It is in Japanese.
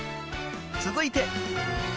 ［続いて］